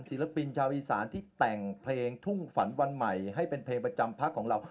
ศิลปินชาวอีสานที่แต่งเพลงทุ่งฝันวันใหม่ให้เป็นเพลงประจำพักของเรา